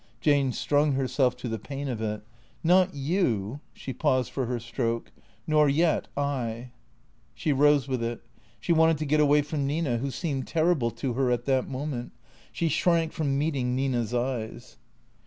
Jane strung herself to the pain of it. " Not you.'' She paused for her stroke. " Nor yet I." She rose with it. She wanted to get away from Nina wlio seemed terrible to her at that moment. She shrank from meet ing Nina's eyes.